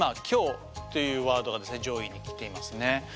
「今日」というワードが上位にきていますね。